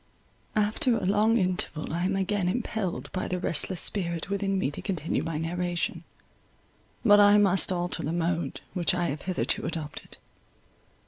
After a long interval, I am again impelled by the restless spirit within me to continue my narration; but I must alter the mode which I have hitherto adopted.